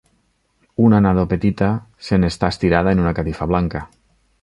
Una nadó petita se'n està estirada en una catifa blanca.